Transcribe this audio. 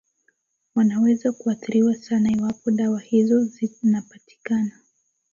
wanaweza kuathiriwa sana iwapo dawa hizo zinapatikana